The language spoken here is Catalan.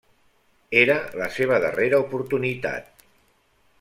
Era la seva darrera oportunitat.